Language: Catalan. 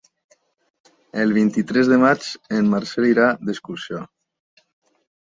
El vint-i-tres de maig en Marcel irà d'excursió.